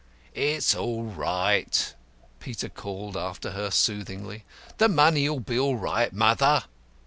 "It's all right," Peter called after her soothingly. "The money'll be all right, mother."